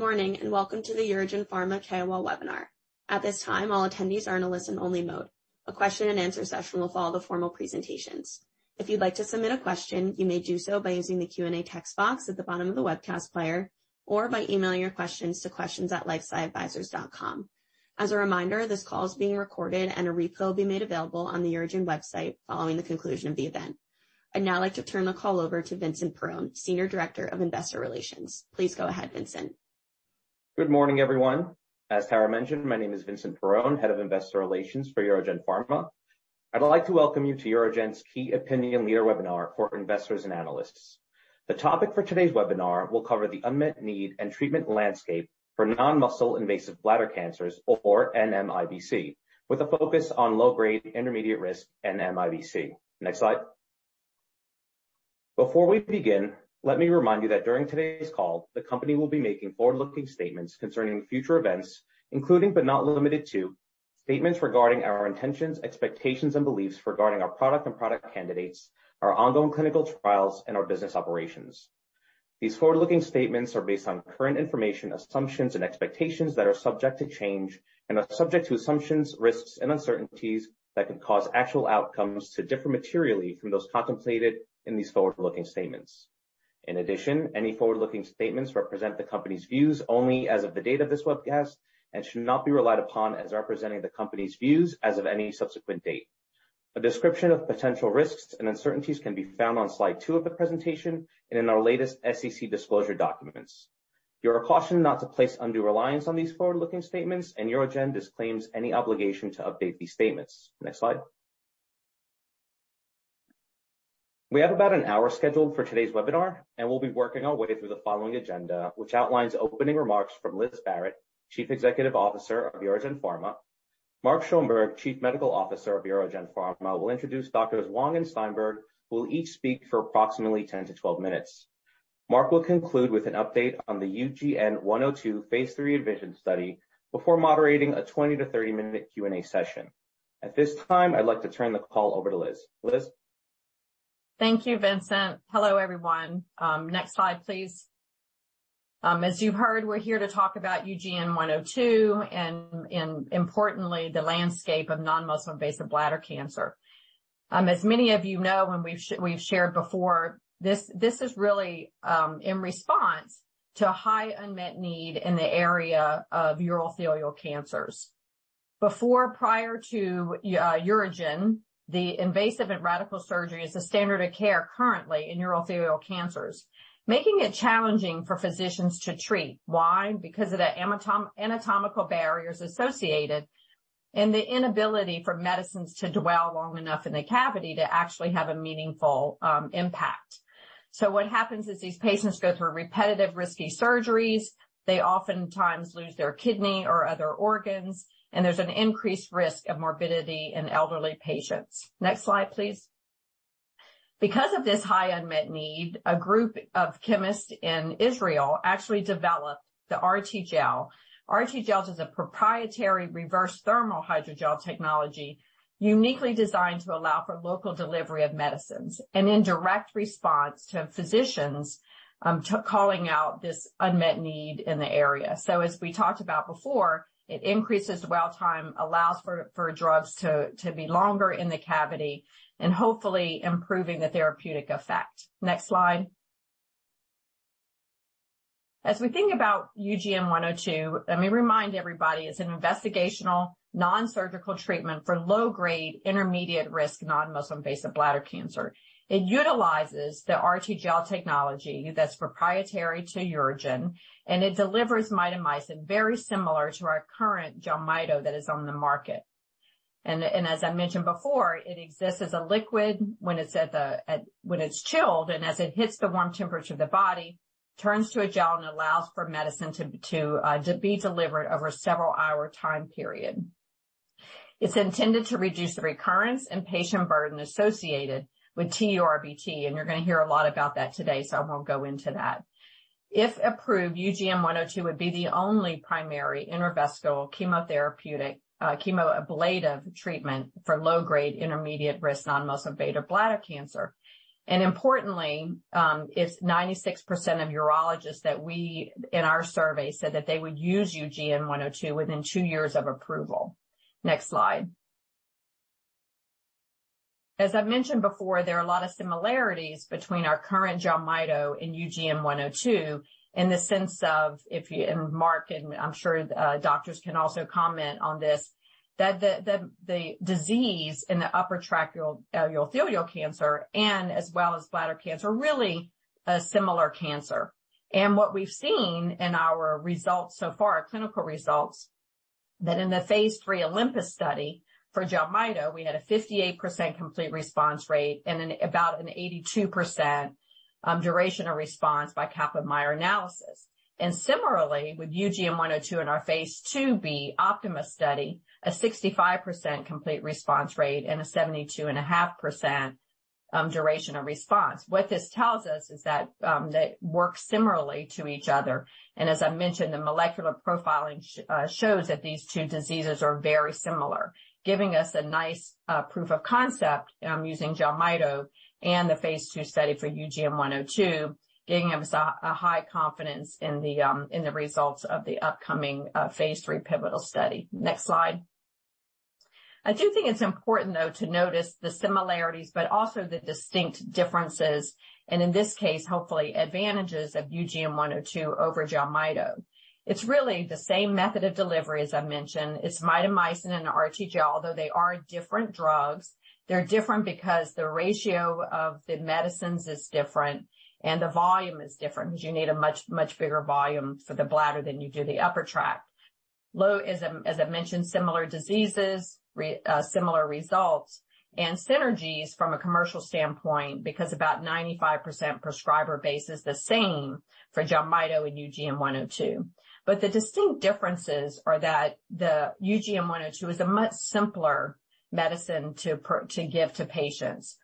Good morning, and welcome to the UroGen Pharma Q&A webinar. At this time, all attendees are in a listen-only mode. A question and answer session will follow the formal presentations. If you'd like to submit a question, you may do so by using the Q&A text box at the bottom of the webcast player or by emailing your questions to questions@lifesciadvisors.com. As a reminder, this call is being recorded, and a replay will be made available on the UroGen website following the conclusion of the event. I'd now like to turn the call over to Vincent Perrone, Senior Director of Investor Relations. Please go ahead, Vincent. Good morning, everyone. As Tara mentioned, my name is Vincent Perrone, Head of Investor Relations for UroGen Pharma. I'd like to welcome you to UroGen's Key Opinion Leader webinar for investors and analysts. The topic for today's webinar will cover the unmet need and treatment landscape for Non-muscle Invasive Bladder Cancers, or NMIBC, with a focus on low-grade intermediate-risk NMIBC. Next slide. Before we begin, let me remind you that during today's call, the company will be making forward-looking statements concerning future events, including, but not limited to, statements regarding our intentions, expectations, and beliefs regarding our product and product candidates, our ongoing clinical trials, and our business operations. These forward-looking statements are based on current information, assumptions, and expectations that are subject to change and are subject to assumptions, risks, and uncertainties that could cause actual outcomes to differ materially from those contemplated in these forward-looking statements. In addition, any forward-looking statements represent the company's views only as of the date of this webcast and should not be relied upon as representing the company's views as of any subsequent date. A description of potential risks and uncertainties can be found on slide two of the presentation and in our latest SEC disclosure documents. You are cautioned not to place undue reliance on these forward-looking statements, and UroGen disclaims any obligation to update these statements. Next slide. We have about an hour scheduled for today's webinar, and we'll be working our way through the following agenda, which outlines opening remarks from Liz Barrett, Chief Executive Officer of UroGen Pharma. Mark Schoenberg, Chief Medical Officer of UroGen Pharma, will introduce Doctors Hwang and Steinberg, who will each speak for approximately 10-12 minutes. Mark will conclude with an update on the UGN-102 phase III ENVISION study before moderating a 20- to 30-minute Q&A session. At this time, I'd like to turn the call over to Liz. Liz. Thank you, Vincent. Hello, everyone. Next slide, please. As you've heard, we're here to talk about UGN-102 and importantly, the landscape of Non-muscle Invasive Bladder Cancer. As many of you know, and we've shared before, this is really in response to a high unmet need in the area of urothelial cancers. Before, prior to UroGen, the invasive and radical surgery is the standard of care currently in urothelial cancers, making it challenging for physicians to treat. Why? Because of the anatomical barriers associated and the inability for medicines to dwell long enough in the cavity to actually have a meaningful impact. What happens is these patients go through repetitive risky surgeries, they oftentimes lose their kidney or other organs, and there's an increased risk of morbidity in elderly patients. Next slide, please. Because of this high unmet need, a group of chemists in Israel actually developed the RTGel. RTGel is a proprietary reverse thermal hydrogel technology uniquely designed to allow for local delivery of medicines and in direct response to physicians calling out this unmet need in the area. As we talked about before, it increases dwell time, allows for drugs to be longer in the cavity and hopefully improving the therapeutic effect. Next slide. As we think about UGN-102, let me remind everybody it's an investigational non-surgical treatment for low-grade intermediate-risk Non-muscle Invasive Bladder Cancer. It utilizes the RTGel technology that's proprietary to UroGen, and it delivers mitomycin very similar to our current JELMYTO that is on the market. As I mentioned before, it exists as a liquid when it's chilled, and as it hits the warm temperature of the body, turns to a gel and allows for medicine to be delivered over a several-hour time period. It's intended to reduce the recurrence and patient burden associated with TURBT, and you're gonna hear a lot about that today, so I won't go into that. If approved, UGN-102 would be the only primary intravesical chemotherapeutic chemoablative treatment for low-grade intermediate-risk Non-muscle Invasive Bladder Cancer. Importantly, it's 96% of urologists that we in our survey said that they would use UGN-102 within two years of approval. Next slide. As I've mentioned before, there are a lot of similarities between our current JELMYTO and UGN-102 in the sense of and Mark, and I'm sure doctors can also comment on this, that the disease in the upper tract urothelial cancer and as well as bladder cancer are really a similar cancer. What we've seen in our results so far, our clinical results, that in the phase III OLYMPUS study for JELMYTO, we had a 58% complete response rate and about an 82% duration of response by Kaplan-Meier analysis. Similarly, with UGN-102 in our phase IIb OPTIMA study, a 65% complete response rate and a 72.5% duration of response. What this tells us is that they work similarly to each other. As I mentioned, the molecular profiling shows that these two diseases are very similar, giving us a nice proof of concept using gemcitabine and the phase 2 study for UGN-102, giving us a high confidence in the results of the upcoming phase III pivotal study. Next slide. I do think it's important, though, to notice the similarities but also the distinct differences, and in this case, hopefully advantages of UGN-102 over gemcitabine. It's really the same method of delivery, as I mentioned. It's mitomycin and RTGel, although they are different drugs. They're different because the ratio of the medicines is different, and the volume is different because you need a much, much bigger volume for the bladder than you do the upper tract. As I mentioned, similar diseases, similar results, and synergies from a commercial standpoint because about 95% prescriber base is the same for JELMYTO and UGN-102. The distinct differences are that the UGN-102 is a much simpler medicine to give to patients.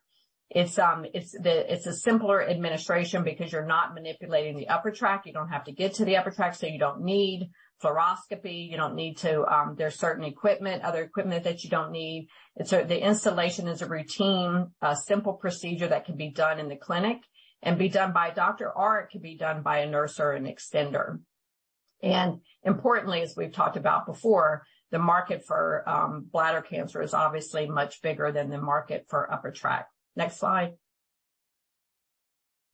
It's a simpler administration because you're not manipulating the upper tract. You don't have to get to the upper tract, so you don't need fluoroscopy. You don't need certain equipment, other equipment that you don't need. The installation is a routine, simple procedure that can be done in the clinic and be done by a doctor, or it could be done by a nurse or an extender. Importantly, as we've talked about before, the market for bladder cancer is obviously much bigger than the market for upper tract. Next slide.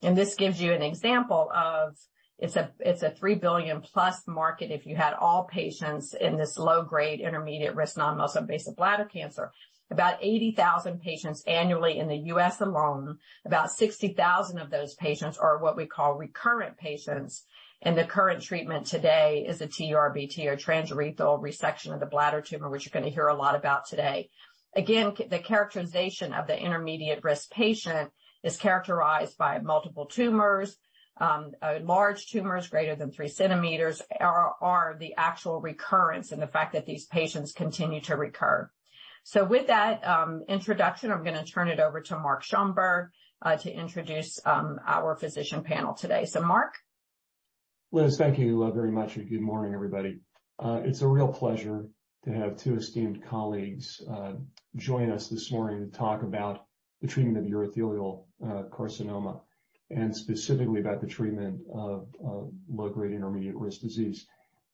This gives you an example of it's a $3 billion+ market if you had all patients in this low-grade, intermediate-risk Non-muscle Invasive Bladder Cancer. About 80,000 patients annually in the U.S. alone. About 60,000 of those patients are what we call recurrent patients, and the current treatment today is a TURBT or transurethral resection of the bladder tumor, which you're gonna hear a lot about today. Again, the characterization of the intermediate-risk patient is characterized by multiple tumors. Large tumors greater than three centimeters are the actual recurrence and the fact that these patients continue to recur. With that introduction, I'm gonna turn it over to Mark Schoenberg to introduce our physician panel today. Mark? Liz, thank you, very much and good morning, everybody. It's a real pleasure to have two esteemed colleagues join us this morning to talk about the treatment of urothelial carcinoma and specifically about the treatment of low-grade intermediate-risk disease.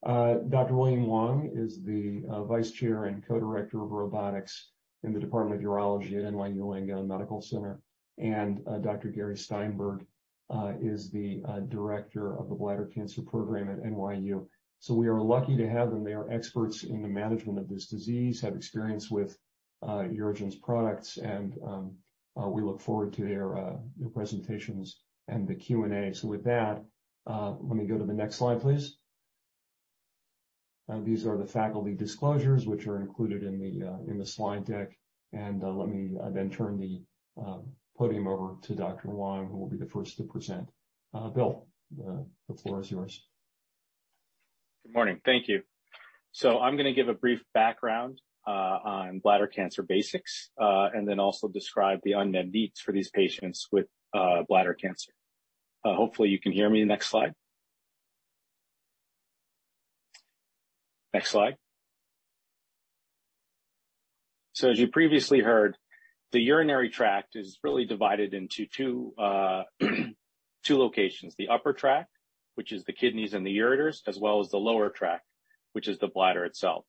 Dr. William Hwang is the vice chair and co-director of robotics in the Department of Urology at NYU Langone Medical Center, and Dr. Gary Steinberg is the director of the bladder cancer program at NYU. We are lucky to have them. They are experts in the management of this disease, have experience with UroGen's products, and we look forward to their presentations and the Q&A. With that, let me go to the next slide, please. These are the faculty disclosures which are included in the slide deck. Let me then turn the podium over to Dr. Hwang, who will be the first to present. Bill, the floor is yours. Good morning. Thank you. I'm gonna give a brief background on bladder cancer basics, and then also describe the unmet needs for these patients with bladder cancer. Hopefully you can hear me. Next slide. Next slide. As you previously heard, the urinary tract is really divided into two locations, the upper tract, which is the kidneys and the ureters, as well as the lower tract, which is the bladder itself.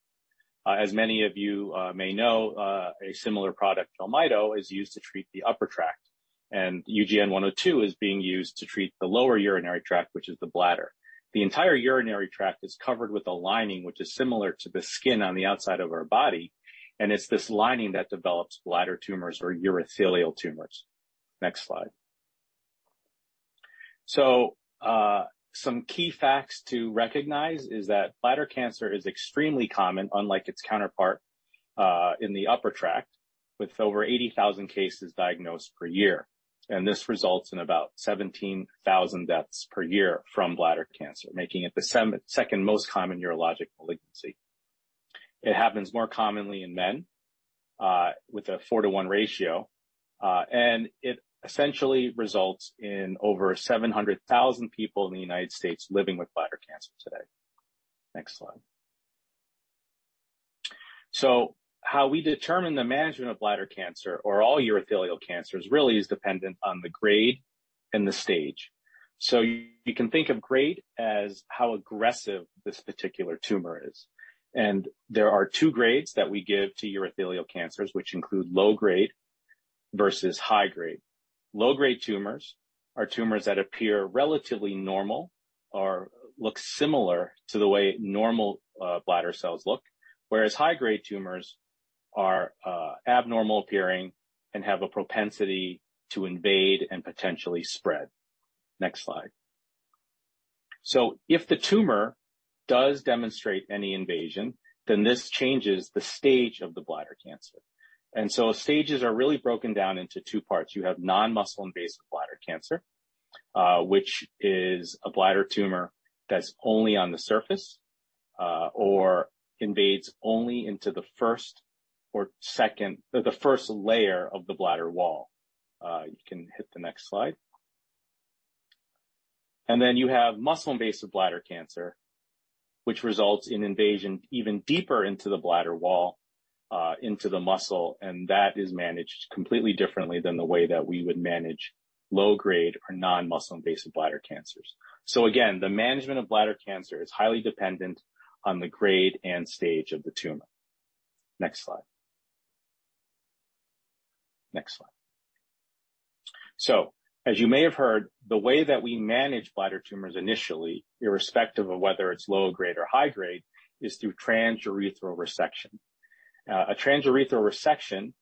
As many of you may know, a similar product, JELMYTO, is used to treat the upper tract, and UGN-102 is being used to treat the lower urinary tract, which is the bladder. The entire urinary tract is covered with a lining which is similar to the skin on the outside of our body, and it's this lining that develops bladder tumors or urothelial tumors. Next slide. Some key facts to recognize is that bladder cancer is extremely common, unlike its counterpart in the upper tract, with over 80,000 cases diagnosed per year. This results in about 17,000 deaths per year from bladder cancer, making it the second most common urologic malignancy. It happens more commonly in men with a 4-to-1 ratio, and it essentially results in over 700,000 people in the United States living with bladder cancer today. Next slide. How we determine the management of bladder cancer or all urothelial cancers really is dependent on the grade and the stage. You can think of grade as how aggressive this particular tumor is. There are two grades that we give to urothelial cancers, which include low-grade versus high-grade. Low-grade tumors are tumors that appear relatively normal or look similar to the way normal bladder cells look. Whereas high-grade tumors are abnormal appearing and have a propensity to invade and potentially spread. Next slide. If the tumor does demonstrate any invasion, then this changes the stage of the bladder cancer. Stages are really broken down into two parts. You have Non-muscle Invasive Bladder Cancer, which is a bladder tumor that's only on the surface or invades only into the first layer of the bladder wall. You can hit the next slide. You have muscle-invasive bladder cancer, which results in invasion even deeper into the bladder wall into the muscle, and that is managed completely differently than the way that we would manage low-grade or Non-muscle Invasive Bladder Cancers. Again, the management of bladder cancer is highly dependent on the grade and stage of the tumor. Next slide. Next slide. As you may have heard, the way that we manage bladder tumors initially, irrespective of whether it's low-grade or high-grade, is through transurethral resection. A transurethral resection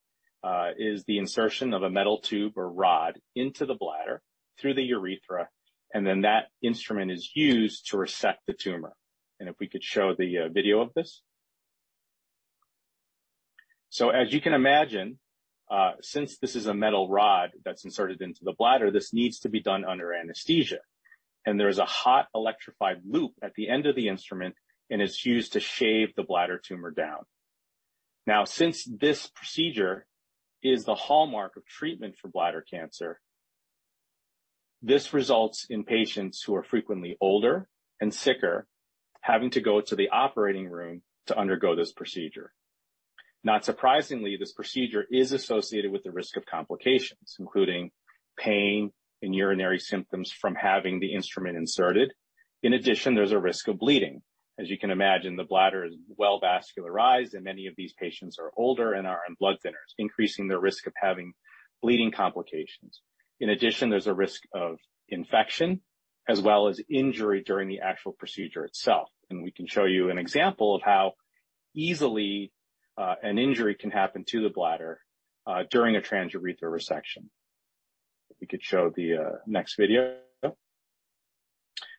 is the insertion of a metal tube or rod into the bladder through the urethra, and then that instrument is used to resect the tumor. If we could show the video of this. As you can imagine, since this is a metal rod that's inserted into the bladder, this needs to be done under anesthesia, and there's a hot electrified loop at the end of the instrument, and it's used to shave the bladder tumor down. Now, since this procedure is the hallmark of treatment for bladder cancer, this results in patients who are frequently older and sicker having to go to the operating room to undergo this procedure. Not surprisingly, this procedure is associated with the risk of complications, including pain and urinary symptoms from having the instrument inserted. In addition, there's a risk of bleeding. As you can imagine, the bladder is well vascularized, and many of these patients are older and are on blood thinners, increasing their risk of having bleeding complications. In addition, there's a risk of infection as well as injury during the actual procedure itself. We can show you an example of how easily an injury can happen to the bladder during a transurethral resection. If we could show the next video.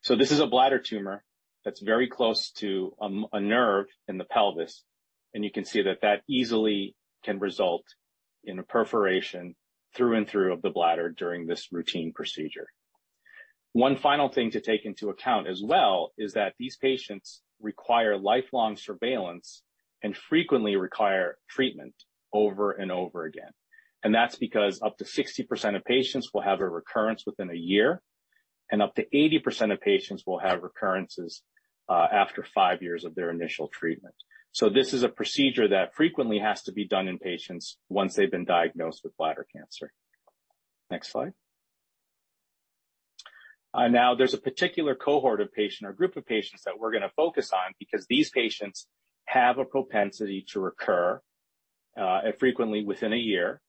This is a bladder tumor that's very close to a nerve in the pelvis, and you can see that that easily can result in a perforation through and through of the bladder during this routine procedure. One final thing to take into account as well is that these patients require lifelong surveillance and frequently require treatment over and over again. That's because up to 60% of patients will have a recurrence within a year, and up to 80% of patients will have recurrences after five years of their initial treatment. This is a procedure that frequently has to be done in patients once they've been diagnosed with bladder cancer. Next slide. Now, there's a particular cohort of patients or group of patients that we're gonna focus on because these patients have a propensity to recur, frequently within a year,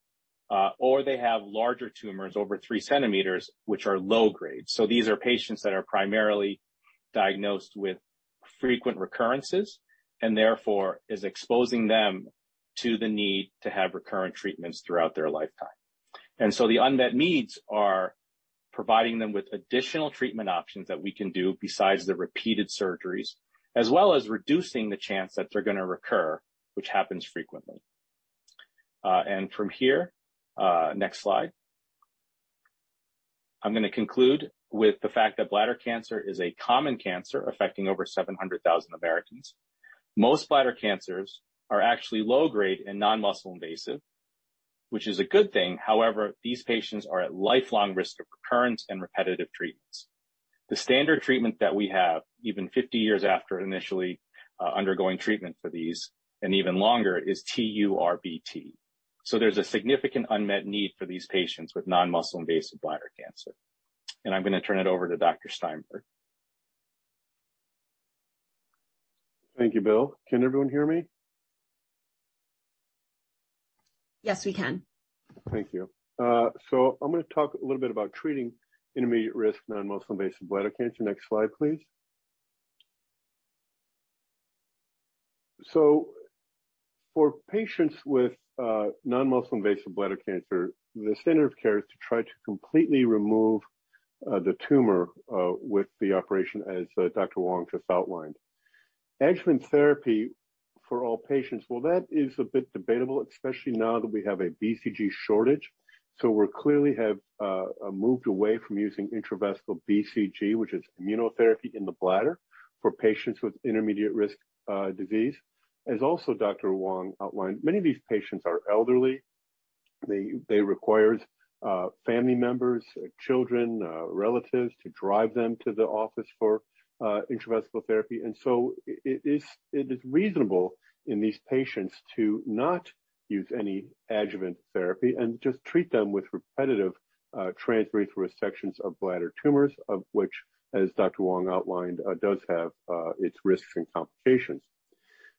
or they have larger tumors over three centimeters, which are low-grade. These are patients that are primarily diagnosed with frequent recurrences and therefore is exposing them to the need to have recurrent treatments throughout their lifetime. The unmet needs are providing them with additional treatment options that we can do besides the repeated surgeries, as well as reducing the chance that they're gonna recur, which happens frequently. From here, next slide. I'm gonna conclude with the fact that bladder cancer is a common cancer affecting over 700,000 Americans. Most bladder cancers are actually low-grade and non-muscle invasive, which is a good thing. However, these patients are at lifelong risk of recurrence and repetitive treatments. The standard treatment that we have, even 50 years after initially undergoing treatment for these and even longer, is TURBT. There's a significant unmet need for these patients with Non-muscle Invasive Bladder Cancer. I'm gonna turn it over to Dr. Steinberg. Thank you, Bill. Can everyone hear me? Yes, we can. Thank you. I'm gonna talk a little bit about treating intermediate-risk Non-muscle Invasive Bladder Cancer. Next slide, please. For patients with Non-muscle Invasive Bladder Cancer, the standard of care is to try to completely remove the tumor with the operation as Dr. Hwang just outlined. Adjuvant therapy for all patients, well, that is a bit debatable, especially now that we have a BCG shortage. We clearly have moved away from using intravesical BCG, which is immunotherapy in the bladder for patients with intermediate risk disease. As also Dr. Hwang outlined, many of these patients are elderly. They require family members, children, relatives to drive them to the office for intravesical therapy. It is reasonable in these patients to not use any adjuvant therapy and just treat them with repetitive transurethral resections of bladder tumors, of which, as Dr. Hwang outlined, does have its risks and complications.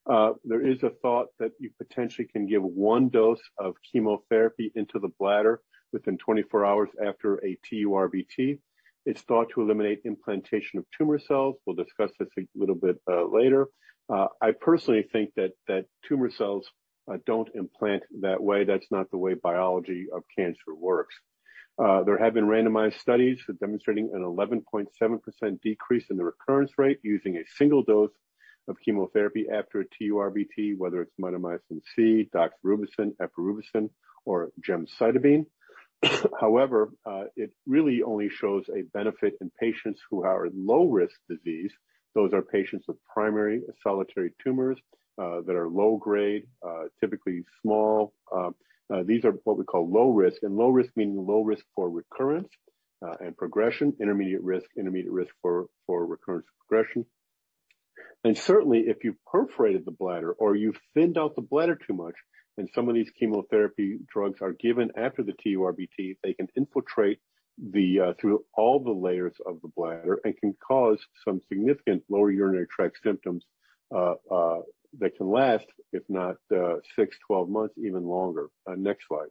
There is a thought that you potentially can give one dose of chemotherapy into the bladder within 24 hours after a TURBT. It's thought to eliminate implantation of tumor cells. We'll discuss this a little bit later. I personally think that tumor cells don't implant that way. That's not the way biology of cancer works. There have been randomized studies demonstrating an 11.7% decrease in the recurrence rate using a single dose of chemotherapy after a TURBT, whether it's mitomycin C, doxorubicin, epirubicin, or gemcitabine. However, it really only shows a benefit in patients who are at low risk disease. Those are patients with primary solitary tumors that are low-grade, typically small. These are what we call low risk, and low risk meaning low risk for recurrence and progression. Intermediate risk for recurrence and progression. Certainly, if you've perforated the bladder or you've thinned out the bladder too much, and some of these chemotherapy drugs are given after the TURBT, they can infiltrate through all the layers of the bladder and can cause some significant lower urinary tract symptoms that can last, if not, 6-12 months, even longer. Next slide.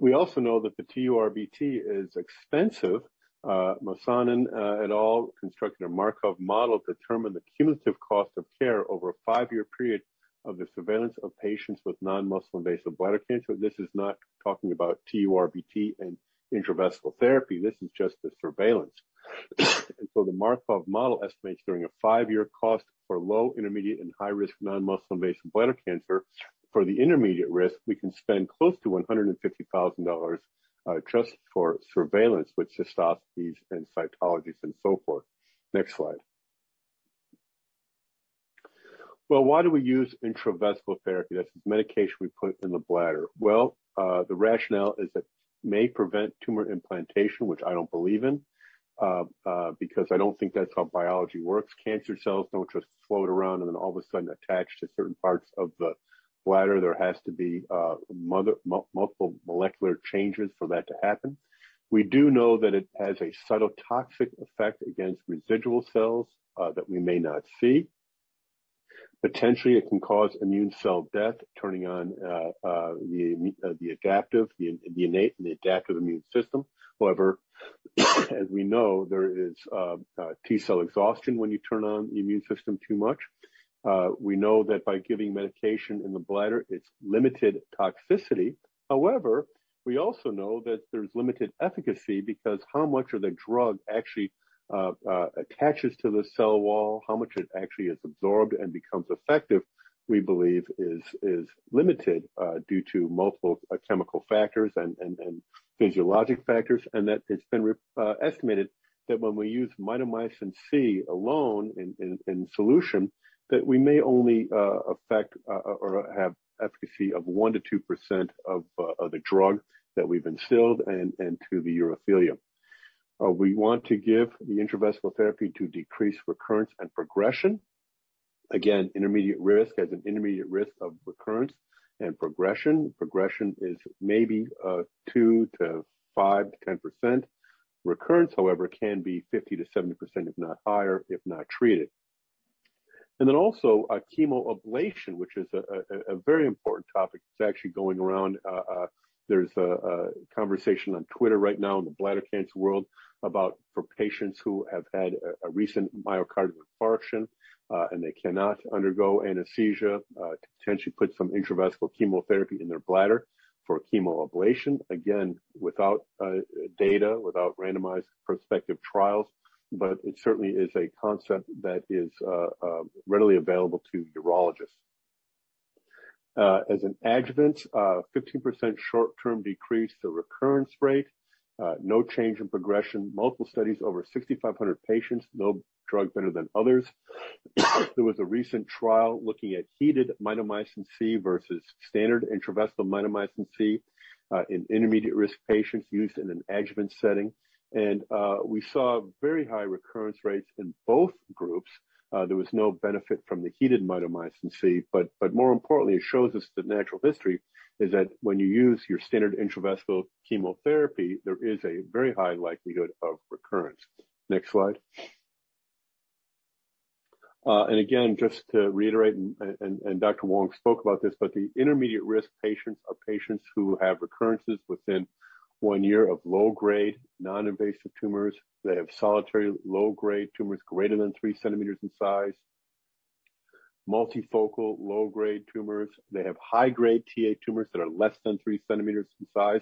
We also know that the TURBT is expensive. Mossanen et al. constructed a Markov model to determine the cumulative cost of care over a five-year period of the surveillance of patients with Non-muscle Invasive Bladder Cancer. This is not talking about TURBT and intravesical therapy. This is just the surveillance. The Markov model estimates the five-year cost for low, intermediate, and high risk Non-muscle Invasive Bladder Cancer. For the intermediate risk, we can spend close to $150,000 just for surveillance with cystoscopies and cytologies and so forth. Next slide. Well, why do we use intravesical therapy? That's this medication we put in the bladder. Well, the rationale is it may prevent tumor implantation, which I don't believe in, because I don't think that's how biology works. Cancer cells don't just float around and then all of a sudden attach to certain parts of the bladder. There has to be multiple molecular changes for that to happen. We do know that it has a subtle toxic effect against residual cells that we may not see. Potentially, it can cause immune cell death, turning on the innate and the adaptive immune system. However, as we know, there is T-cell exhaustion when you turn on the immune system too much. We know that by giving medication in the bladder, it's limited toxicity. However, we also know that there's limited efficacy because how much of the drug actually attaches to the cell wall. How much it actually is absorbed and becomes effective, we believe is limited due to multiple chemical factors and physiologic factors, and that it's been re-estimated that when we use mitomycin C alone in solution, that we may only affect or have efficacy of 1%-2% of the drug that we've instilled and to the urothelium. We want to give the intravesical therapy to decrease recurrence and progression. Again, intermediate risk has an intermediate risk of recurrence and progression. Progression is maybe 2%-5%-10%. Recurrence, however, can be 50%-70% if not higher, if not treated. Chemoablation, which is a very important topic. It's actually going around. There's a conversation on Twitter right now in the bladder cancer world about for patients who have had a recent myocardial infarction, and they cannot undergo anesthesia, to potentially put some intravesical chemotherapy in their bladder for chemoablation. Again, without data, without randomized prospective trials. It certainly is a concept that is readily available to urologists. As an adjuvant, 15% short-term decrease the recurrence rate, no change in progression. Multiple studies, over 6,500 patients, no drug better than others. There was a recent trial looking at heated mitomycin C versus standard intravesical mitomycin C, in intermediate risk patients used in an adjuvant setting. We saw very high recurrence rates in both groups. There was no benefit from the heated mitomycin C. More importantly, it shows us the natural history is that when you use your standard intravesical chemotherapy, there is a very high likelihood of recurrence. Next slide. Again, just to reiterate, Dr. Hwang spoke about this, but the intermediate risk patients are patients who have recurrences within one year of low-grade, non-invasive tumors. They have solitary low-grade tumors greater than three centimeters in size, multifocal low-grade tumors. They have high-grade Ta tumors that are less than three centimeters in size.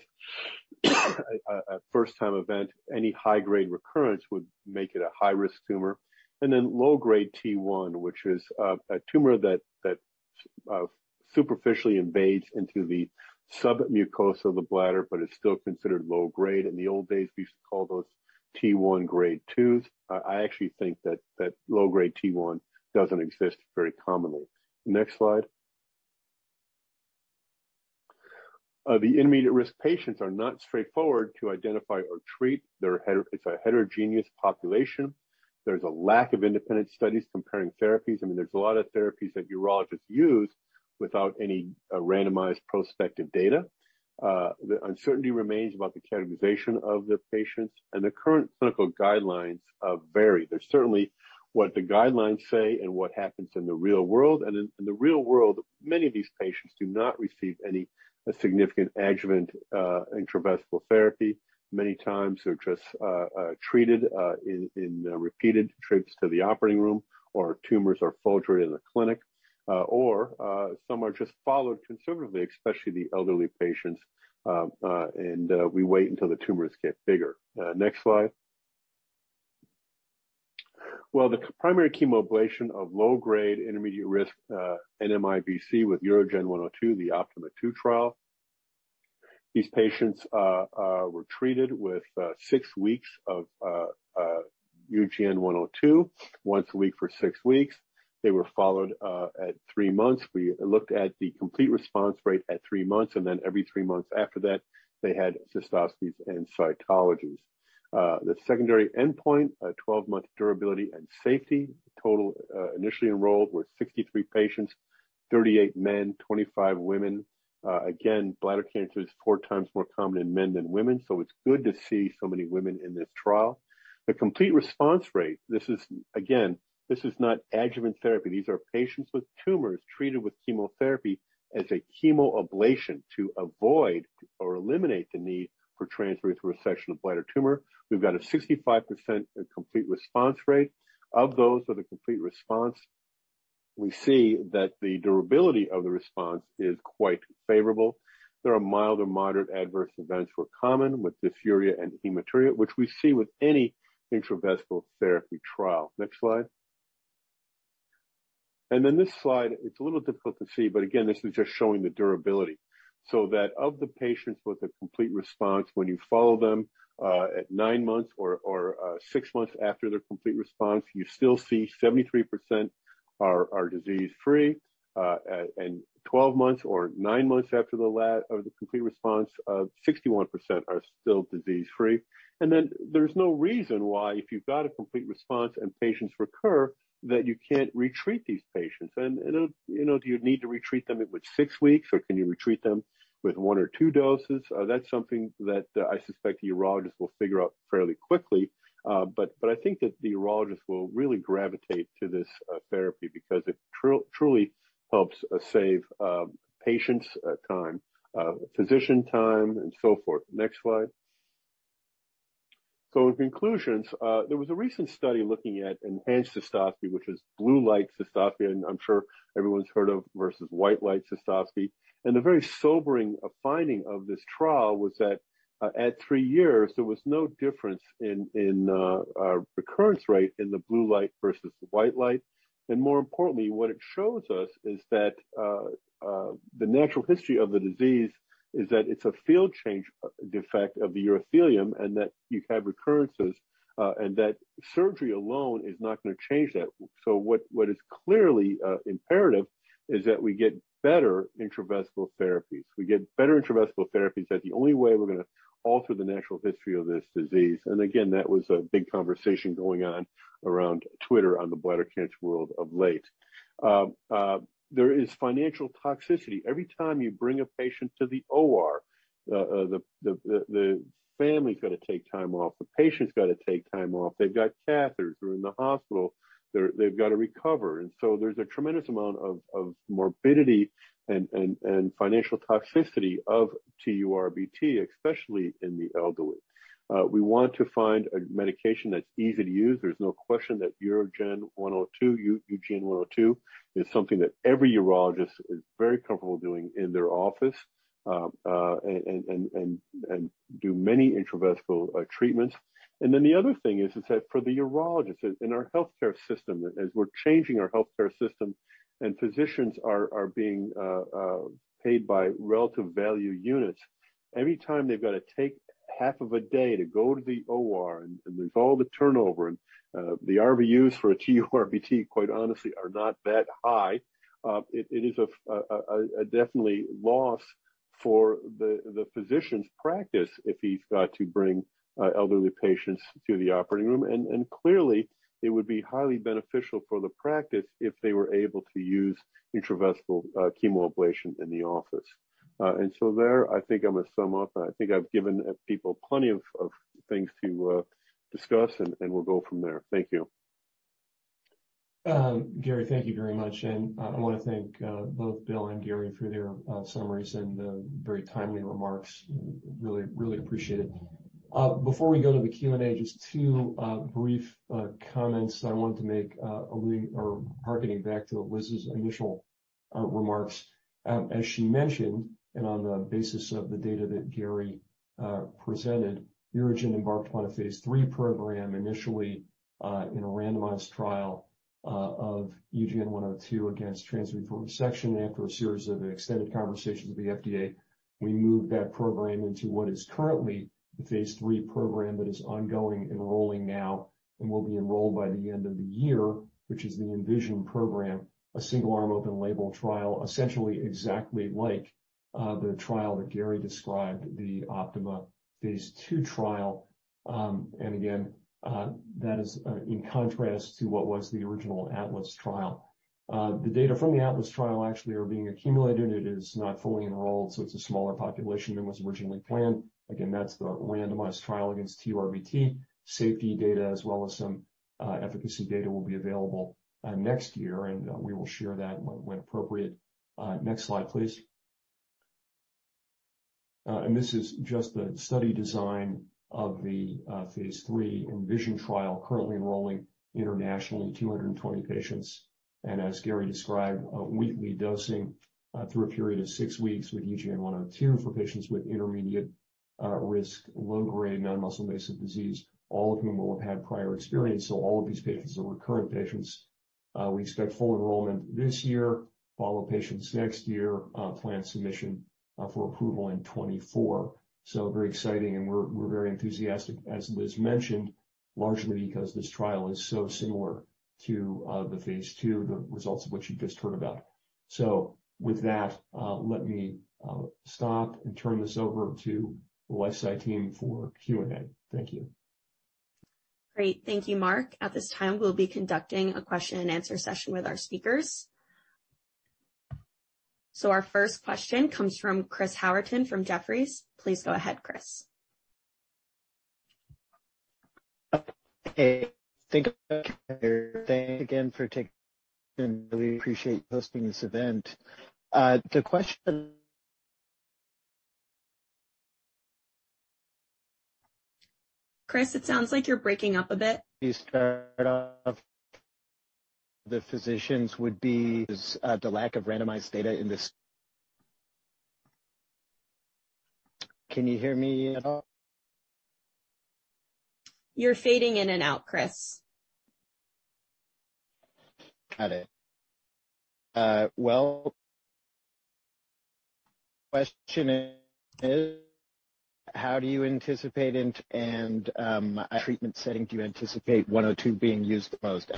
A first-time event, any high-grade recurrence would make it a high-risk tumor. Then low-grade T1, which is a tumor that superficially invades into the submucosa of the bladder but is still considered low grade. In the old days, we used to call those T1 grade twos. I actually think that low grade T1 doesn't exist very commonly. Next slide. The intermediate risk patients are not straightforward to identify or treat. It's a heterogeneous population. There's a lack of independent studies comparing therapies. I mean, there's a lot of therapies that urologists use without any randomized prospective data. The uncertainty remains about the categorization of the patients. The current clinical guidelines vary. There's certainly a difference between what the guidelines say and what happens in the real world. In the real world, many of these patients do not receive any significant adjuvant intravesical therapy. Many times, they're just treated in repeated trips to the operating room or tumors are fulgurated in the clinic, or some are just followed conservatively, especially the elderly patients, and we wait until the tumors get bigger. Next slide. Well, the primary chemoablation of low-grade intermediate-risk NMIBC with UGN-102, the OPTIMA II trial. These patients were treated with six weeks of UGN-102 once a week for six weeks. They were followed at three months. We looked at the complete response rate at 3 months, and then every three months after that, they had cystoscopies and cytologies. The secondary endpoint 12-month durability and safety. Total initially enrolled were 63 patients, 38 men, 25 women. Again, bladder cancer is four times more common in men than women, so it's good to see so many women in this trial. The complete response rate, this is again, this is not adjuvant therapy. These are patients with tumors treated with chemotherapy as a chemoablation to avoid or eliminate the need for transurethral resection of bladder tumor. We've got a 65% complete response rate. Of those with a complete response, we see that the durability of the response is quite favorable. There are mild or moderate adverse events were common with dysuria and hematuria, which we see with any intravesical therapy trial. Next slide. This slide, it's a little difficult to see, but again, this is just showing the durability. That of the patients with a complete response, when you follow them, at nine months or six months after their complete response, you still see 73% are disease-free. At 12 months or nine months after the complete response, 61% are still disease-free. Then there's no reason why if you've got a complete response and patients recur, that you can't retreat these patients. It'll, you know, do you need to retreat them with six weeks, or can you retreat them with one or two doses? That's something that I suspect the urologist will figure out fairly quickly. I think that the urologist will really gravitate to this therapy because it truly helps save patients time, physician time, and so forth. Next slide. In conclusion, there was a recent study looking at enhanced cystoscopy, which is blue light cystoscopy, and I'm sure everyone's heard of versus white light cystoscopy. The very sobering finding of this trial was that at three years, there was no difference in recurrence rate in the blue light versus the white light. More importantly, what it shows us is that the natural history of the disease is that it's a field change defect of the urothelium, and that you have recurrences and that surgery alone is not gonna change that. What is clearly imperative is that we get better intravesical therapies. That's the only way we're gonna alter the natural history of this disease. Again, that was a big conversation going on around Twitter on the bladder cancer world of late. There is financial toxicity. Every time you bring a patient to the OR, the family's gotta take time off, the patient's gotta take time off. They've got catheters. They're in the hospital. They've got to recover. There's a tremendous amount of financial toxicity of TURBT, especially in the elderly. We want to find a medication that's easy to use. There's no question that UGN-102 is something that every urologist is very comfortable doing in their office and do many intravesical treatments. Then the other thing is that for the urologist in our healthcare system, as we're changing our healthcare system and physicians are being paid by relative value units. Every time they've gotta take half of a day to go to the OR and there's all the turnover and the RVUs for a TURBT, quite honestly, are not that high. It is a definite loss for the physician's practice if he's got to bring elderly patients to the operating room. And clearly it would be highly beneficial for the practice if they were able to use intravesical chemoablation in the office. And so there, I think I'm gonna sum up. I think I've given people plenty of things to discuss, and we'll go from there. Thank you. Gary, thank you very much. I wanna thank both Bill and Gary for their summaries and very timely remarks. Really appreciate it. Before we go to the Q&A, just two brief comments I wanted to make, alluding or hearkening back to Liz's initial remarks. As she mentioned, and on the basis of the data that Gary presented, UroGen embarked upon a phase III program initially in a randomized trial of UGN-102 against transurethral resection. After a series of extended conversations with the FDA, we moved that program into what is currently the phase III program that is ongoing, enrolling now, and will be enrolled by the end of the year, which is the ENVISION program. A single-arm open-label trial, essentially exactly like the trial that Gary described, the OPTIMA phase II trial. Again, that is in contrast to what was the original ATLAS trial. The data from the ATLAS trial actually are being accumulated. It is not fully enrolled, so it's a smaller population than was originally planned. Again, that's the randomized trial against TURBT. Safety data as well as some efficacy data will be available next year, and we will share that when appropriate. Next slide, please. This is just the study design of the phase III ENVISION trial currently enrolling internationally 220 patients. As Gary described, weekly dosing through a period of six weeks with UGN-102 for patients with intermediate risk low-grade non-muscle invasive disease, all of whom will have had prior experience. All of these patients are recurrent patients. We expect full enrollment this year, follow patients next year, plan submission for approval in 2024. Very exciting, and we're very enthusiastic, as was mentioned, largely because this trial is so similar to the phase II, the results of which you just heard about. With that, let me stop and turn this over to the LifeSci team for Q&A. Thank you. Great. Thank you, Mark. At this time, we'll be conducting a question and answer session with our speakers. Our first question comes from Chris Howerton from Jefferies. Please go ahead, Chris. Hey, thank you. Thanks again, really appreciate hosting this event. The question Chris, it sounds like you're breaking up a bit. You start off the physicians is the lack of randomized data in this. Can you hear me at all? You're fading in and out, Chris. Got it. Well, question is, how do you anticipate treatment setting do you anticipate UGN-102 being used the most.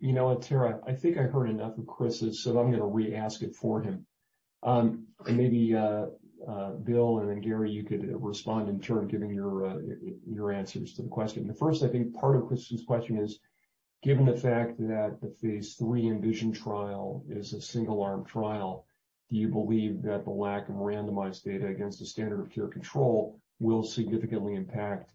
You know what, Tara? I think I heard enough of Chris's, so I'm gonna re-ask it for him. Maybe, Bill and then Gary, you could respond in turn, giving your answers to the question. The first, I think part of Chris's question is, given the fact that the phase III ENVISION trial is a single-arm trial, do you believe that the lack of randomized data against the standard of care control will significantly impact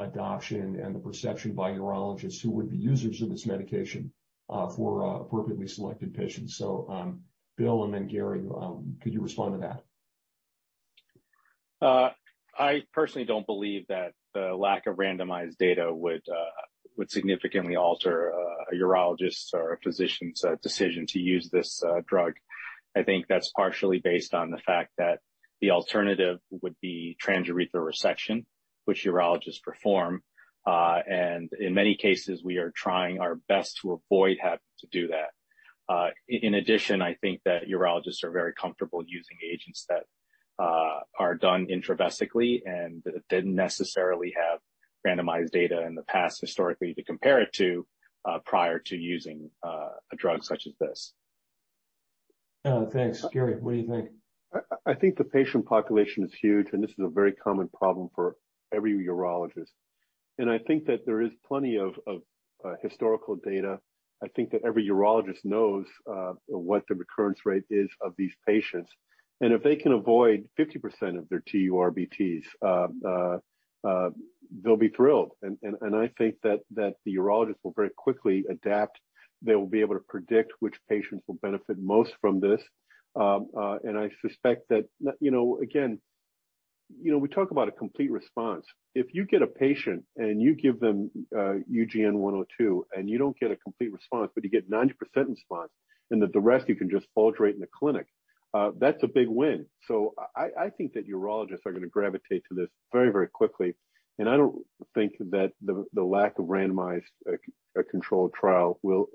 adoption and the perception by urologists who would be users of this medication for appropriately selected patients? Bill and then Gary, could you respond to that? I personally don't believe that the lack of randomized data would significantly alter a urologist's or a physician's decision to use this drug. I think that's partially based on the fact that the alternative would be transurethral resection, which urologists perform. In many cases, we are trying our best to avoid having to do that. In addition, I think that urologists are very comfortable using agents that are done intravesically and didn't necessarily have randomized data in the past historically to compare it to prior to using a drug such as this. Thanks. Gary, what do you think? I think the patient population is huge, and this is a very common problem for every urologist. I think that there is plenty of historical data. I think that every urologist knows what the recurrence rate is of these patients. If they can avoid 50% of their TURBTs, they'll be thrilled. I think that the urologist will very quickly adapt. They will be able to predict which patients will benefit most from this. I suspect that, you know, again, you know, we talk about a complete response. If you get a patient and you give them UGN-102, and you don't get a complete response, but you get 90% response, and that the rest you can just fulgurate in the clinic, that's a big win. I think that urologists are gonna gravitate to this very, very quickly. I don't think that the lack of randomized controlled trial will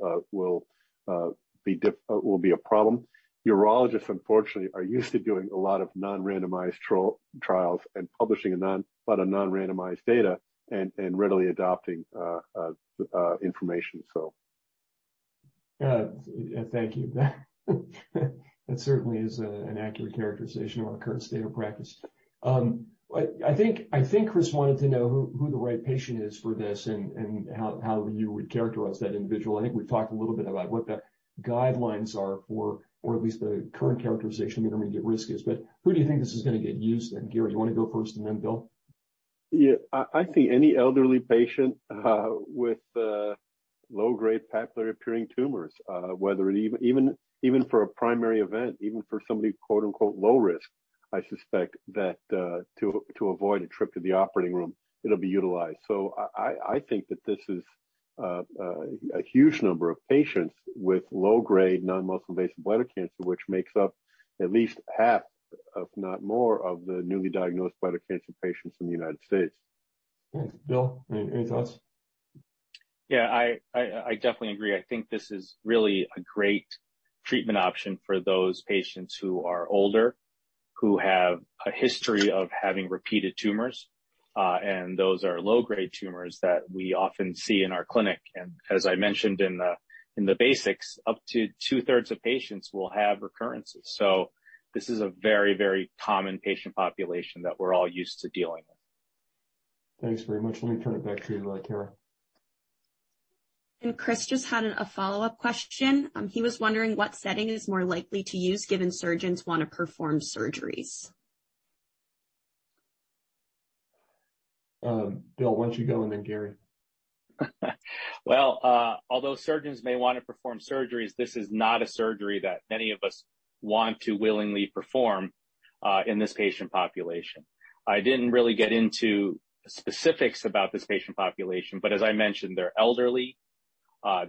be a problem. Urologists, unfortunately, are used to doing a lot of non-randomized trials and publishing a lot of non-randomized data and readily adopting information, so. Thank you. That certainly is an accurate characterization of the current state of practice. I think Chris wanted to know who the right patient is for this and how you would characterize that individual. I think we've talked a little bit about what the guidelines are for or at least the current characterization intermediate risk is. Who do you think this is gonna get used in? Gary, do you wanna go first and then Bill? Yeah. I think any elderly patient with low-grade papillary appearing tumors, whether it even for a primary event, even for somebody, quote-unquote, "low risk," I suspect that to avoid a trip to the operating room, it'll be utilized. I think that this is a huge number of patients with low-grade Non-muscle Invasive Bladder Cancer, which makes up at least half, if not more, of the newly diagnosed bladder cancer patients in the United States. Thanks. Bill, any thoughts? Yeah, I definitely agree. I think this is really a great treatment option for those patients who are older, who have a history of having repeated tumors, and those are low-grade tumors that we often see in our clinic. As I mentioned in the basics, up to two-thirds of patients will have recurrences. This is a very, very common patient population that we're all used to dealing with. Thanks very much. Let me turn it back to you, Kara. Chris just had a follow-up question. He was wondering what setting is more likely to use given surgeons wanna perform surgeries. Bill, why don't you go and then Gary. Well, although surgeons may wanna perform surgeries, this is not a surgery that any of us want to willingly perform, in this patient population. I didn't really get into specifics about this patient population, but as I mentioned, they're elderly.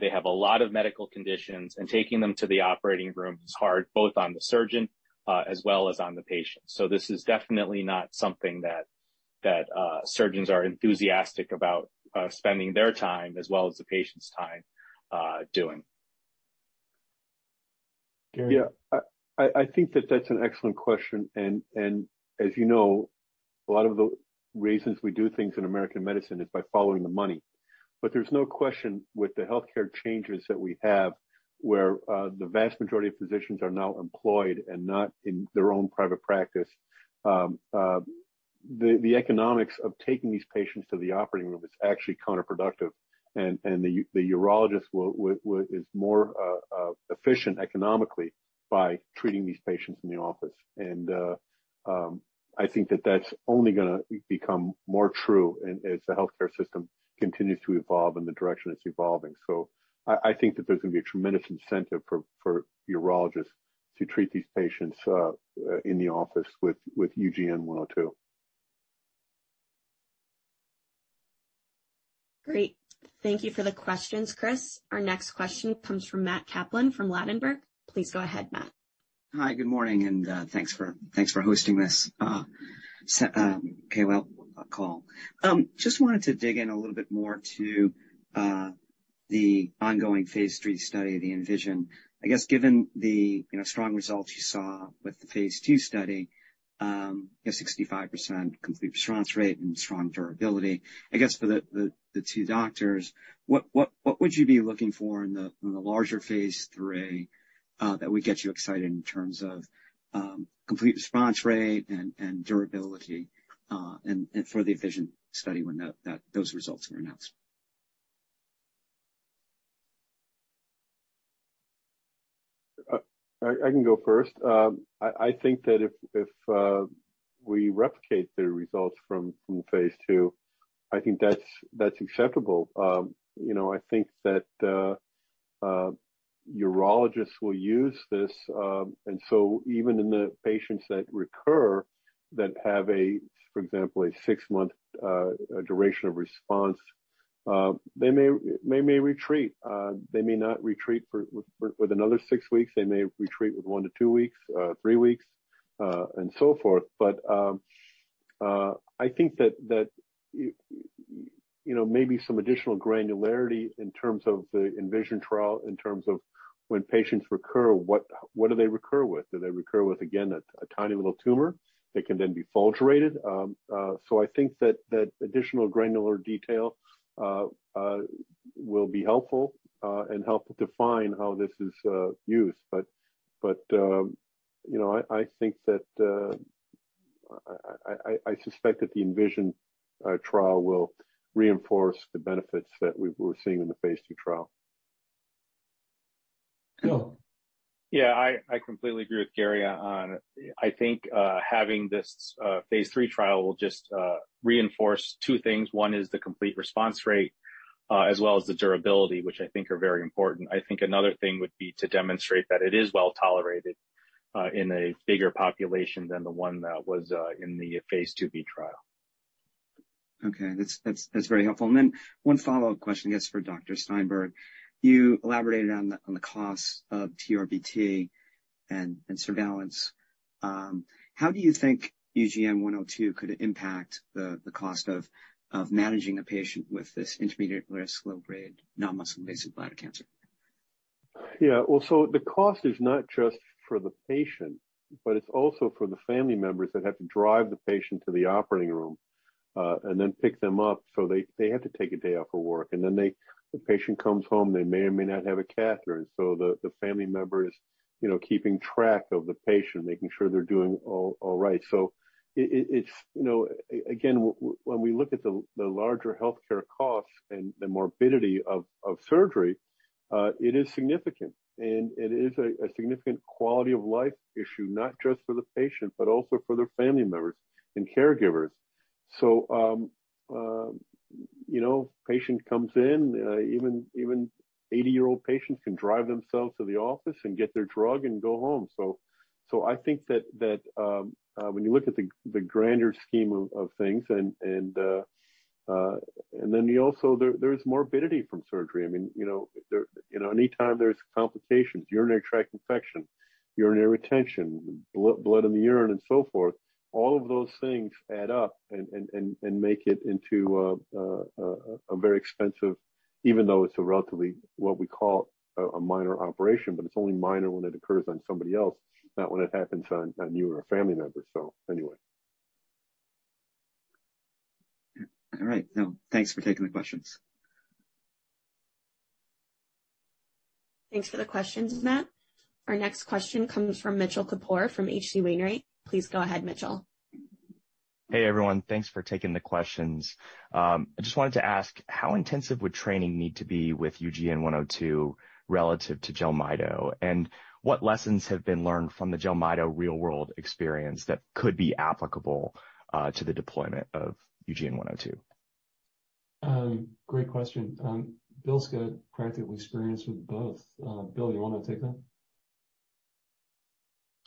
They have a lot of medical conditions, and taking them to the operating room is hard, both on the surgeon, as well as on the patient. This is definitely not something that surgeons are enthusiastic about, spending their time as well as the patient's time, doing. Yeah. I think that that's an excellent question. As you know, a lot of the reasons we do things in American medicine is by following the money. There's no question with the healthcare changes that we have, where the vast majority of physicians are now employed and not in their own private practice. The economics of taking these patients to the operating room is actually counterproductive. The urologist is more efficient economically by treating these patients in the office. I think that that's only gonna become more true as the healthcare system continues to evolve in the direction it's evolving. I think that there's gonna be a tremendous incentive for urologists to treat these patients in the office with UGN-102. Great. Thank you for the questions, Chris. Our next question comes from Matt Kaplan from Ladenburg. Please go ahead, Matt. Hi, good morning, and thanks for hosting this KOL call. Just wanted to dig in a little bit more to the ongoing phase III study, the ENVISION. I guess, given the strong results you saw with the phase II study, you know, 65% complete response rate and strong durability. I guess for the two doctors, what would you be looking for in the larger phase III that would get you excited in terms of complete response rate and durability, and for the ENVISION study when those results are announced? I can go first. I think that if we replicate the results from phase II, I think that's acceptable. You know, I think that urologists will use this. Even in the patients that recur that have a, for example, a six-month duration of response, they may retreat. They may not retreat with another six weeks. They may retreat with one to two weeks, three weeks, and so forth. I think that you know, maybe some additional granularity in terms of the ENVISION trial, in terms of when patients recur, what do they recur with? Do they recur with, again, a tiny little tumor that can then be fulgurated? I think that additional granular detail will be helpful and help define how this is used. You know, I suspect that the ENVISION trial will reinforce the benefits that we're seeing in the phase II trial. Bill. Yeah. I completely agree with Gary. I think having this phase 3 trial will just reinforce two things. One is the complete response rate as well as the durability, which I think are very important. I think another thing would be to demonstrate that it is well tolerated in a bigger population than the one that was in the phase IIb trial. Okay. That's very helpful. One follow-up question, I guess, for Dr. Steinberg. You elaborated on the costs of TURBT and surveillance. How do you think UGN-102 could impact the cost of managing a patient with this intermediate-risk low-grade Non-muscle Invasive Bladder Cancer? Yeah. Well, the cost is not just for the patient, but it's also for the family members that have to drive the patient to the operating room, and then pick them up. They have to take a day off of work, and then the patient comes home. They may or may not have a catheter. The family member is, you know, keeping track of the patient, making sure they're doing all right. It's, you know, again, when we look at the larger healthcare costs and the morbidity of surgery, it is significant. It is a significant quality of life issue, not just for the patient, but also for their family members and caregivers. Patient comes in, even 80-year-old patients can drive themselves to the office and get their drug and go home. I think that when you look at the grander scheme of things and then also there's morbidity from surgery. I mean, you know, anytime there's complications, urinary tract infection, urinary retention, blood in the urine and so forth, all of those things add up and make it a very expensive even though it's a relatively what we call a minor operation, but it's only minor when it occurs on somebody else, not when it happens on you or a family member. Anyway. All right. No, thanks for taking the questions. Thanks for the questions, Matt. Our next question comes from Mitchell Kapoor from H.C. Wainwright & Co. Please go ahead, Mitchell. Hey, everyone. Thanks for taking the questions. I just wanted to ask how intensive would training need to be with UGN-102 relative to JELMYTO? What lessons have been learned from the JELMYTO real-world experience that could be applicable to the deployment of UGN-102? Great question. Bill's got practical experience with both. Bill, you wanna take that?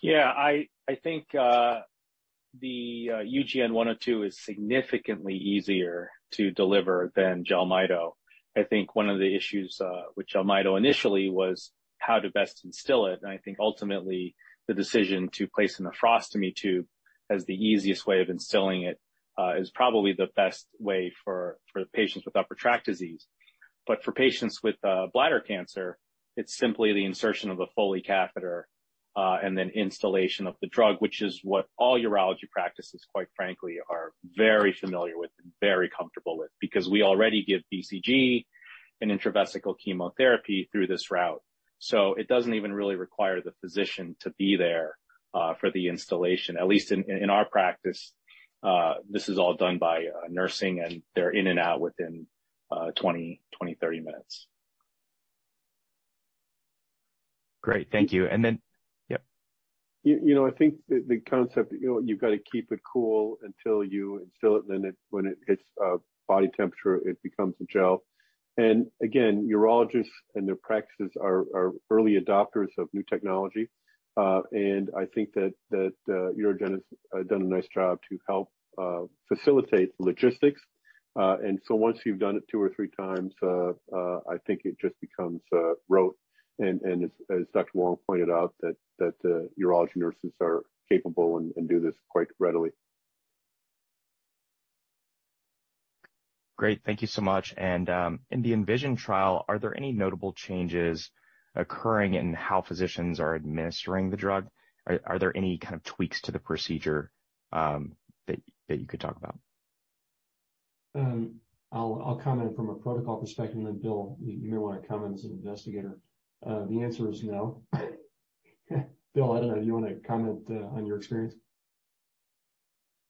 I think the UGN-102 is significantly easier to deliver than JELMYTO. I think one of the issues with JELMYTO initially was how to best instill it, and I think ultimately the decision to place an ostomy tube as the easiest way of instilling it is probably the best way for patients with upper tract disease. For patients with bladder cancer, it's simply the insertion of a Foley catheter and then installation of the drug, which is what all urology practices, quite frankly, are very familiar with and very comfortable with because we already give BCG and intravesical chemotherapy through this route. It doesn't even really require the physician to be there for the installation. At least in our practice, this is all done by nursing, and they're in and out within 20-30 minutes. Great. Thank you. Yep. You know, I think the concept, you know, you've got to keep it cool until you instill it. Then when it hits body temperature, it becomes a gel. Again, urologists and their practices are early adopters of new technology. I think that UroGen has done a nice job to help facilitate the logistics. Once you've done it two or three times, I think it just becomes rote. As Dr. Hwang pointed out, that urology nurses are capable and do this quite readily. Great. Thank you so much. In the ENVISION trial, are there any notable changes occurring in how physicians are administering the drug? Are there any kind of tweaks to the procedure, that you could talk about? I'll comment from a protocol perspective, and then Bill, you may want to comment as an investigator. The answer is no. Bill, I don't know, do you wanna comment on your experience?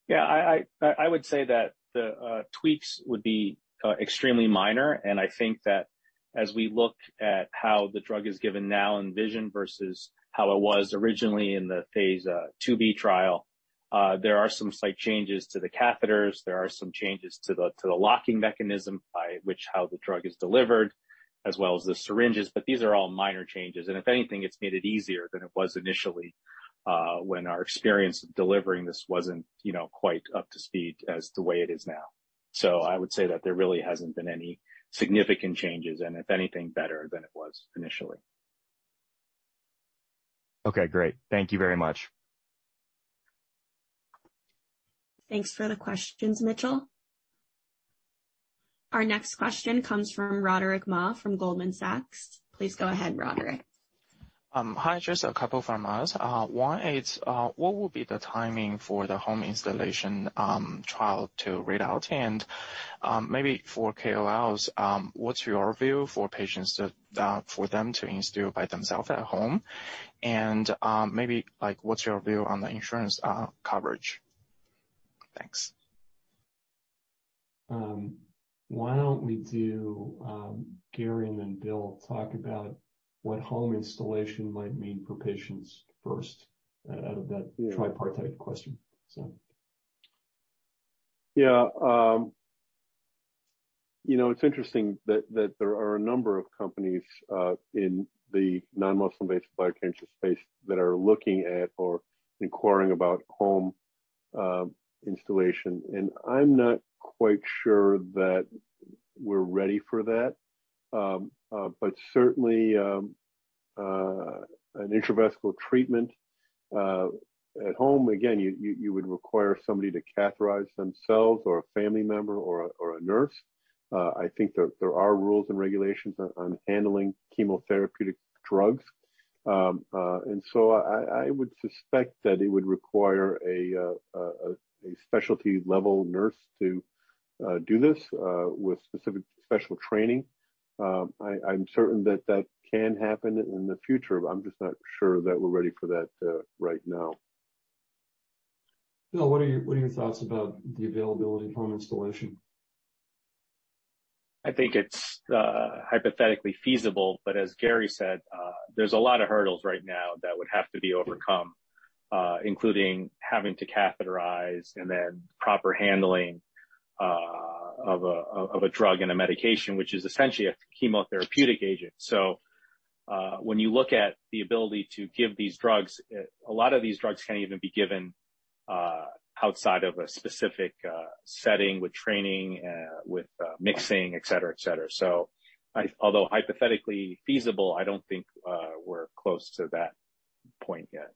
Yeah, I would say that the tweaks would be extremely minor, and I think that as we look at how the drug is given now in ENVISION versus how it was originally in the phase IIb trial, there are some slight changes to the catheters. There are some changes to the locking mechanism by which how the drug is delivered, as well as the syringes. These are all minor changes, and if anything, it's made it easier than it was initially, when our experience of delivering this wasn't, you know, quite up to speed as the way it is now. I would say that there really hasn't been any significant changes, and if anything, better than it was initially. Okay, great. Thank you very much. Thanks for the questions, Mitchell. Our next question comes from Roderick Ma from Goldman Sachs. Please go ahead, Roderick. Hi. Just a couple from us. One is, what will be the timing for the home instillation trial to read out? Maybe for KOLs, what's your view for them to instill by themselves at home? Maybe, like, what's your view on the insurance coverage? Thanks. Why don't we do Gary and then Bill talk about what home instillation might mean for patients first out of that tripartite question. Yeah. You know, it's interesting that there are a number of companies in the Non-muscle Invasive Bladder Cancer space that are looking at or inquiring about home installation. I'm not quite sure that we're ready for that. Certainly an intravesical treatment at home, again, you would require somebody to catheterize themselves or a family member or a nurse. I think there are rules and regulations on handling chemotherapeutic drugs. I would suspect that it would require a specialty level nurse to do this with specific special training. I'm certain that that can happen in the future. I'm just not sure that we're ready for that right now. Bill, what are your thoughts about the availability of home installation? I think it's hypothetically feasible, but as Gary said, there's a lot of hurdles right now that would have to be overcome, including having to catheterize and then proper handling of a drug and a medication, which is essentially a chemotherapeutic agent. When you look at the ability to give these drugs, a lot of these drugs can't even be given outside of a specific setting with training with mixing, et cetera. Although hypothetically feasible, I don't think we're close to that point yet.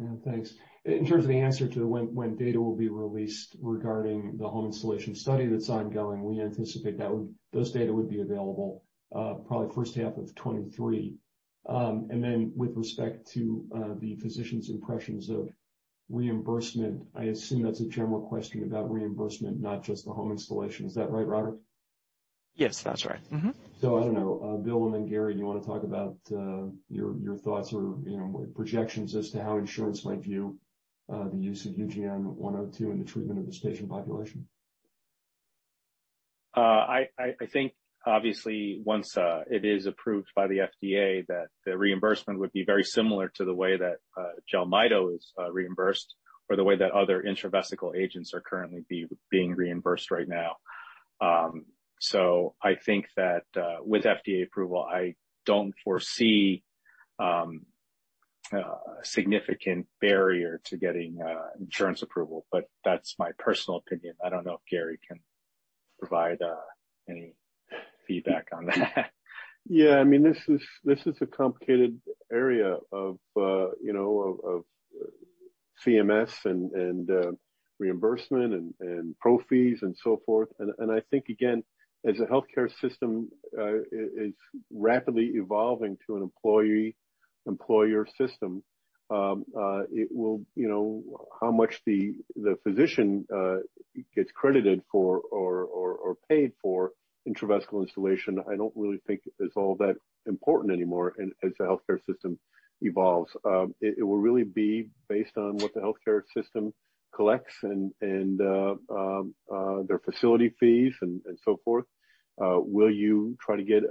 Yeah. Thanks. In terms of the answer to when data will be released regarding the home installation study that's ongoing, we anticipate those data would be available, probably first half of 2023. With respect to the physicians' impressions of reimbursement, I assume that's a general question about reimbursement, not just the home installation. Is that right, Roderick? Yes, that's right. I don't know. Bill and then Gary, do you wanna talk about your thoughts or, you know, projections as to how insurance might view the use of UGN-102 in the treatment of this patient population? I think obviously once it is approved by the FDA, that the reimbursement would be very similar to the way that JELMYTO is reimbursed or the way that other intravesical agents are currently being reimbursed right now. I think that, with FDA approval, I don't foresee significant barrier to getting insurance approval, but that's my personal opinion. I don't know if Gary can provide any feedback on that. Yeah. I mean, this is a complicated area of CMS and reimbursement and pro fees and so forth. I think, again, as a healthcare system is rapidly evolving to an employee-employer system. How much the physician gets credited for or paid for intravesical installation, I don't really think is all that important anymore as the healthcare system evolves. It will really be based on what the healthcare system collects and their facility fees and so forth. Will you try to get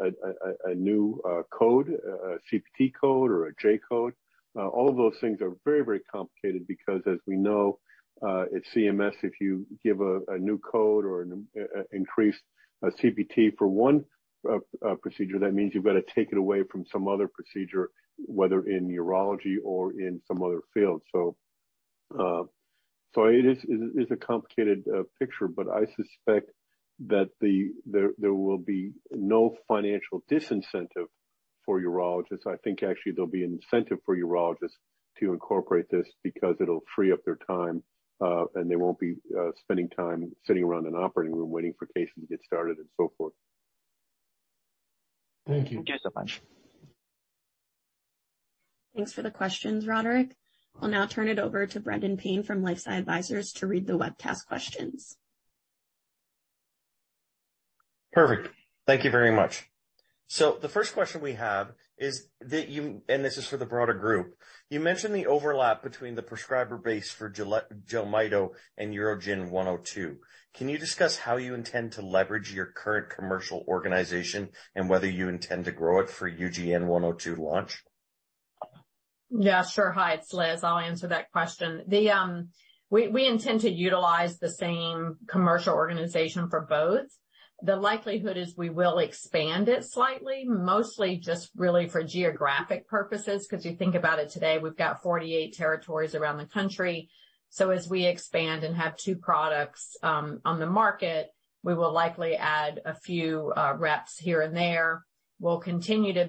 a new code, a CPT code or a J code? All of those things are very, very complicated because as we know, at CMS, if you give a new code or an increased CPT for one procedure, that means you've got to take it away from some other procedure, whether in urology or in some other field. It is a complicated picture, but I suspect that there will be no financial disincentive for urologists. I think actually there'll be incentive for urologists to incorporate this because it'll free up their time, and they won't be spending time sitting around an operating room waiting for cases to get started and so forth. Thank you. Thank you so much. Thanks for the questions, Roderick. I'll now turn it over to Brendan Payne from LifeSci Advisors to read the webcast questions. Perfect. Thank you very much. The first question we have is that you, and this is for the broader group. You mentioned the overlap between the prescriber base for JELMYTO and UGN-102. Can you discuss how you intend to leverage your current commercial organization and whether you intend to grow it for UGN-102 launch? Yeah, sure. Hi, it's Liz. I'll answer that question. We intend to utilize the same commercial organization for both. The likelihood is we will expand it slightly, mostly just really for geographic purposes, 'cause you think about it today, we've got 48 territories around the country. As we expand and have two products on the market, we will likely add a few reps here and there. We'll continue to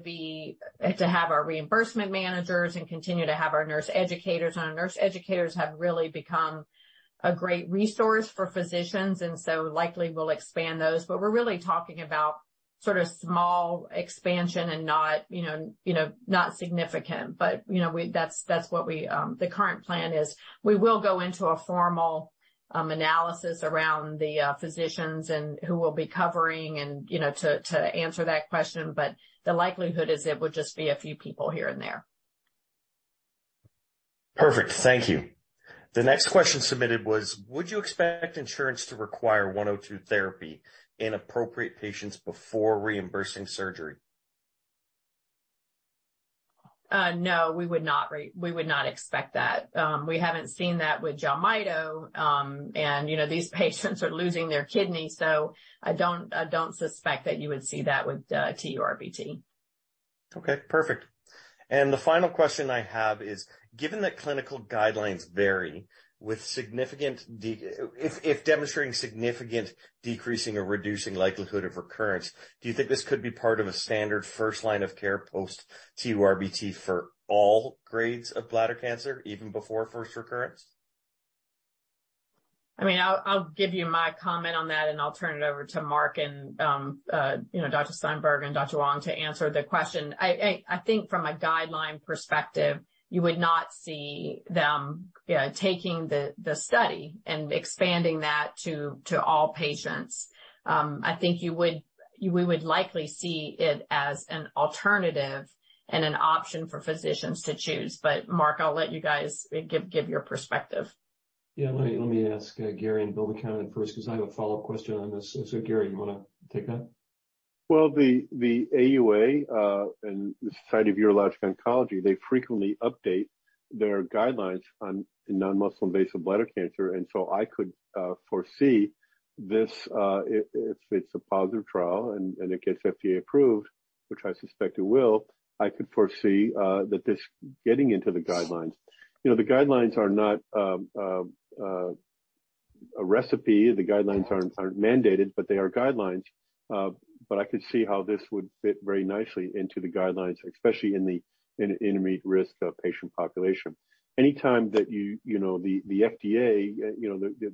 have our reimbursement managers and continue to have our nurse educators. Our nurse educators have really become a great resource for physicians, and so likely we'll expand those. We're really talking about sort of small expansion and not, you know, not significant. You know, that's what the current plan is. We will go into a formal analysis around the physicians and who we'll be covering and, you know, to answer that question, but the likelihood is it would just be a few people here and there. Perfect. Thank you. The next question submitted was, would you expect insurance to require UGN-102 therapy in appropriate patients before reimbursing surgery? No, we would not expect that. We haven't seen that with JELMYTO. You know, these patients are losing their kidneys, so I don't suspect that you would see that with TURBT. Okay, perfect. The final question I have is, given that clinical guidelines vary, if demonstrating significant decreasing or reducing likelihood of recurrence, do you think this could be part of a standard first line of care post-TURBT for all grades of bladder cancer, even before first recurrence? I mean, I'll give you my comment on that, and I'll turn it over to Mark and, you know, Dr. Steinberg and Dr. Hwang to answer the question. I think from a guideline perspective, you would not see them, you know, taking the study and expanding that to all patients. I think we would likely see it as an alternative and an option for physicians to choose. Mark, I'll let you guys give your perspective. Yeah. Let me ask Gary and Bill to comment first because I have a follow-up question on this. Gary, you wanna take that? Well, the AUA and the Society of Urologic Oncology, they frequently update their guidelines on non-muscle-invasive bladder cancer. I could foresee this if it's a positive trial and it gets FDA approved, which I suspect it will, I could foresee that this getting into the guidelines. You know, the guidelines are not a recipe. The guidelines aren't mandated, but they are guidelines. I could see how this would fit very nicely into the guidelines, especially in the intermediate-risk patient population. Any time that you know, the FDA, you know,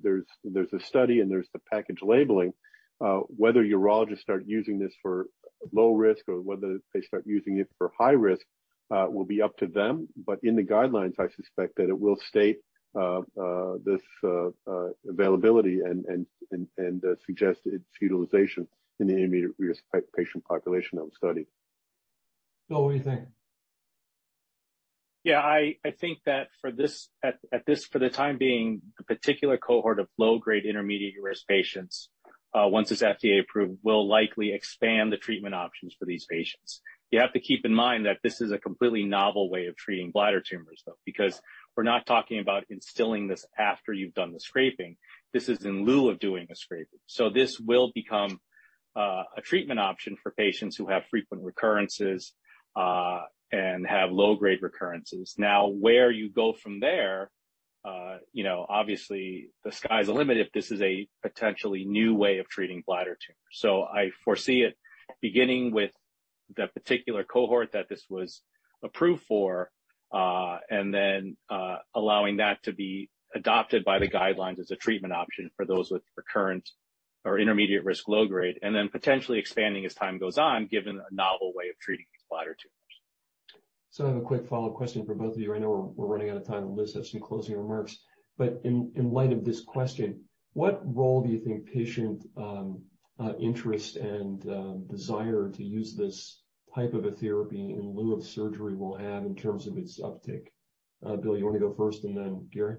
there is a study and there is the package labeling. Whether urologists start using this for low risk or whether they start using it for high risk will be up to them. In the guidelines, I suspect that it will state this availability and suggest its utilization in the intermediate risk patient population that was studied. Bill, what do you think? Yeah, I think that for the time being, the particular cohort of low-grade intermediate-risk patients, once it's FDA approved, will likely expand the treatment options for these patients. You have to keep in mind that this is a completely novel way of treating bladder tumors, though, because we're not talking about instilling this after you've done the scraping. This is in lieu of doing a scraping. This will become a treatment option for patients who have frequent recurrences and have low-grade recurrences. Now, where you go from there, you know, obviously the sky's the limit if this is a potentially new way of treating bladder tumors. I foresee it beginning with the particular cohort that this was approved for, and then allowing that to be adopted by the guidelines as a treatment option for those with recurrent or intermediate-risk low-grade, and then potentially expanding as time goes on, given a novel way of treating these bladder tumors. I have a quick follow-up question for both of you. I know we're running out of time, and Liz has some closing remarks. In light of this question, what role do you think patient interest and desire to use this type of a therapy in lieu of surgery will have in terms of its uptake? Bill, you wanna go first and then Gary?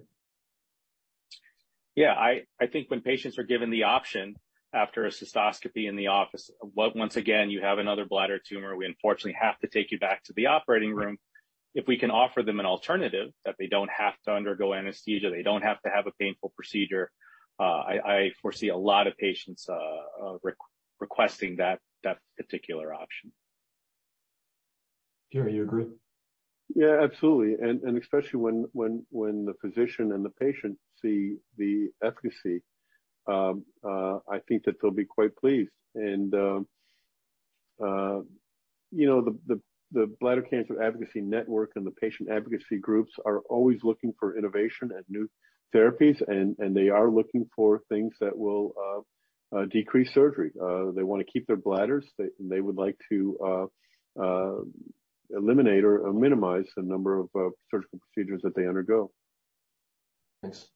Yeah. I think when patients are given the option after a cystoscopy in the office, well, once again, you have another bladder tumor, we unfortunately have to take you back to the operating room. If we can offer them an alternative that they don't have to undergo anesthesia, they don't have to have a painful procedure, I foresee a lot of patients re-requesting that particular option. Gary, you agree? Yeah, absolutely. Especially when the physician and the patient see the efficacy, I think that they'll be quite pleased. You know, the Bladder Cancer Advocacy Network and the patient advocacy groups are always looking for innovation and new therapies, and they are looking for things that will decrease surgery. They wanna keep their bladders. They would like to eliminate or minimize the number of surgical procedures that they undergo. Thanks.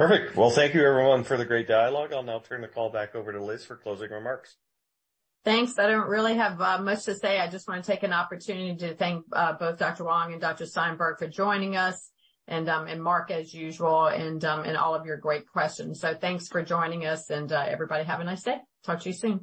Perfect. Well, thank you everyone for the great dialogue. I'll now turn the call back over to Liz for closing remarks. Thanks. I don't really have much to say. I just wanna take an opportunity to thank both Dr. Hwang and Dr. Steinberg for joining us and Mark, as usual, and all of your great questions. Thanks for joining us, and everybody, have a nice day. Talk to you soon.